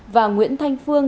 và nguyễn thanh phương